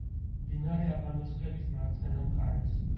მდინარე აბანოსხევის მარცხენა მხარეს.